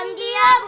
semoga padainya alex